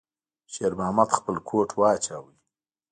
شېرمحمد خپل کوټ واچاوه.